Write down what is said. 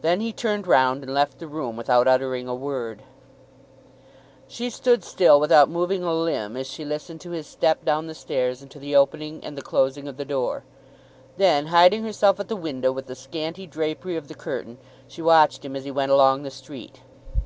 Then he turned round and left the room without uttering a word. She stood still, without moving a limb, as she listened to his step down the stairs and to the opening and the closing of the door. Then hiding herself at the window with the scanty drapery of the curtain she watched him as he went along the street.